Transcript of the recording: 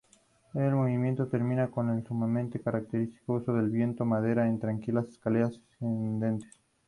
El movimiento termina con el sumamente característico uso del viento-madera en tranquilas escalas ascendentes.